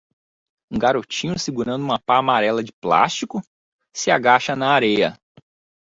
Um garotinho segurando uma pá amarela de plástico?? se agacha na areia.